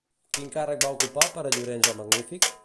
Quin càrrec va ocupar per a Llorenç el Magnífic?